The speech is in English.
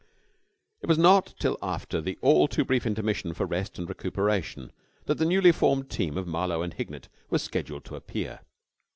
It was not till after the all too brief intermission for rest and recuperation that the newly formed team of Marlowe and Hignett was scheduled to appear.